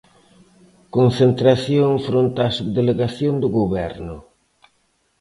Concentración fronte á Subdelegación do Goberno.